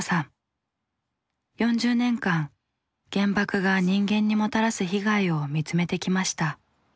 ４０年間原爆が人間にもたらす被害を見つめてきました。